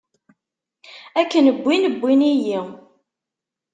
Akken wwin wwin-iyi.